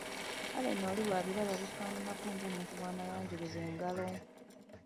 Kale nno oli bw’abiraba bifaananako ng’omuntu bw’anaayanjuluza engalo.